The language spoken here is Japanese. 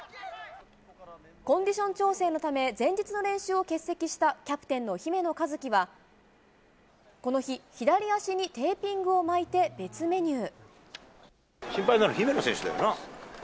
コンディション調整のため前日の練習を欠席したキャプテンの姫野和樹は、この日左足にテーピングを巻いて別メニュー。